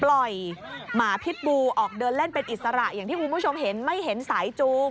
หมาพิษบูออกเดินเล่นเป็นอิสระอย่างที่คุณผู้ชมเห็นไม่เห็นสายจูง